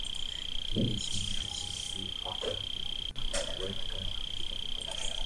তিনি সংগীতশিল্পী কাথারিনা ওয়েডনারকে বিবাহ করেন।